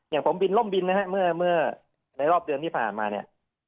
อย่างผมบินล่มบินนะฮะเมื่อในรอบเดือนที่ผ่านมาเนี่ย